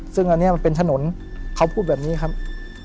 ซึ่งอันนี้มันเป็นถนนเขาพูดแบบนี้ครับ